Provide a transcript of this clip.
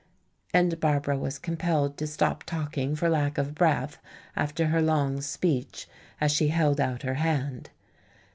And Barbara was compelled to stop talking for lack of breath after her long speech, as she held out her hand.